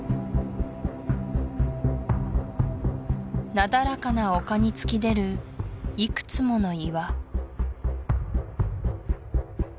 なだらかな丘に突き出るいくつもの岩